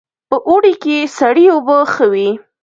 په اوړي کې سړې اوبه ښې وي